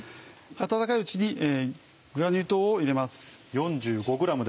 温かいうちにグラニュー糖を入れます。